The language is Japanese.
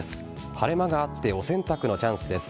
晴れ間があってお洗濯のチャンスです。